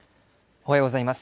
おはようございます。